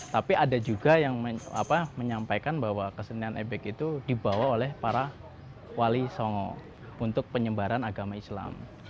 tapi ada juga yang menyampaikan bahwa kesenian ebek itu dibawa oleh para wali songo untuk penyebaran agama islam